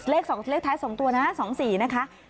เลขสองเลขท้ายสองตัวนะสองสี่นะคะ